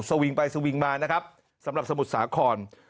วิงไปสวิงมานะครับสำหรับสมุทรสาคร